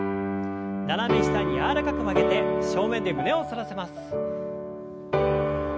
斜め下に柔らかく曲げて正面で胸を反らせます。